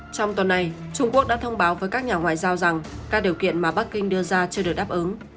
trong tuần này trung quốc đã thông báo với các nhà ngoại giao rằng các điều kiện mà bắc kinh đưa ra chưa được đáp ứng